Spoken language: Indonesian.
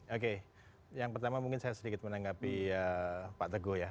oke yang pertama mungkin saya sedikit menanggapi pak teguh ya